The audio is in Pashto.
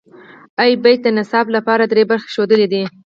ای بیټ د نصاب لپاره درې برخې ښودلې دي.